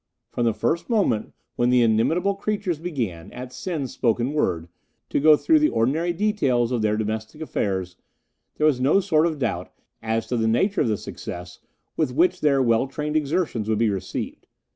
"From the first moment when the inimitable creatures began, at Sen's spoken word, to go through the ordinary details of their domestic affairs, there was no sort of doubt as to the nature of the success with which their well trained exertions would be received.